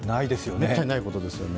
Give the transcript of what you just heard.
めったにないことですよね。